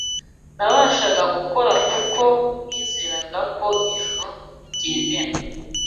Nabashaga gukora kuko nizeraga ko Ijuru ryemera